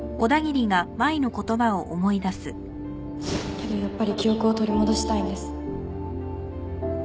けどやっぱり記憶を取り戻したいんです